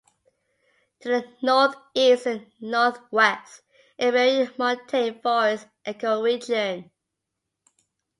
To the northeast is the Northwest Iberian montane forests ecoregion.